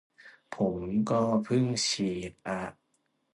ผมก็เพิ่งฉีดอะ